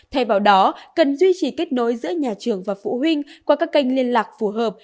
thay vào đó cần duy trì kết nối giữa nhà trường và phụ huynh qua các kênh liên lạc phù hợp